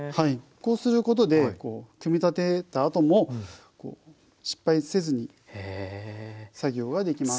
こうすることで組み立てたあとも失敗せずに作業ができます。